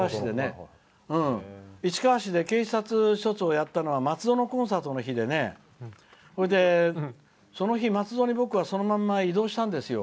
市川市で警察署長やったのは松戸のコンサートの日でその日、松戸に移動したんですよ。